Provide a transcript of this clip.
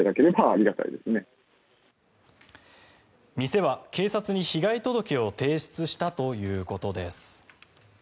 店は警察に被害届を提出したということです。